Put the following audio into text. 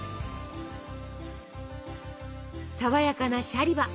さわやかなシャリバ！